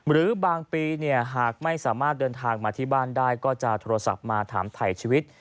หรือบางปีหากไม่สามารถเดินทางมาที่บ้านได้ก็จะโทรศัพท์มาถามถ่ายชีวิต